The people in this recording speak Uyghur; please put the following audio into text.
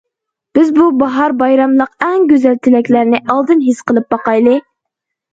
بىز بۇ باھار بايرىمىلىق ئەڭ گۈزەل تىلەكلەرنى ئالدىن ھېس قىلىپ باقايلى!